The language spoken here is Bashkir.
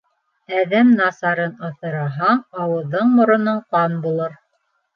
Әҙәм насарын аҫыраһаң, ауыҙың-мороноң ҡан булыр.